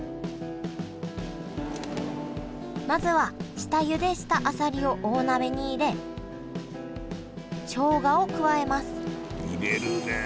まずは下ゆでしたあさりを大鍋に入れしょうがを加えます入れるねえ。